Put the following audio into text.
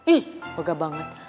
ih boga banget